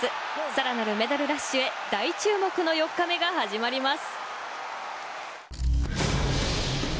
さらなるメダルラッシュへ大注目の４日目が始まります。